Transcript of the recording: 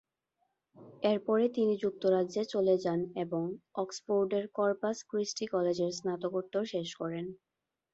এরপরে তিনি যুক্তরাজ্যে চলে যান এবং অক্সফোর্ডের কর্পাস ক্রিস্টি কলেজের স্নাতকোত্তর শেষ করেন।